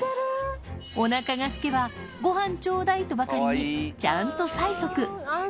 おなかがすけば、ごはん頂戴とばかりに、ちゃんと催促。